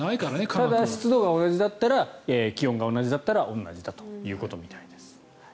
ただ湿度が同じだったら気温が同じだったら同じだということです。